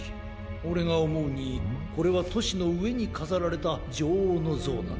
オレがおもうにこれはとしのうえにかざられたじょおうのぞうなんだ。